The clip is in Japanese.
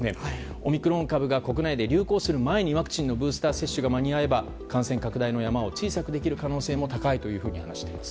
オミクロン株が国内で流行する前にワクチンのブースター接種が間に合えば感染拡大の山を小さくできる可能性も高いと話しています。